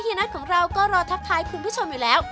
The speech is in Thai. นัทของเราก็รอทักทายคุณผู้ชมอยู่แล้ว